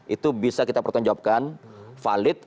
itu bisa kita pertanyaan jawabkan valid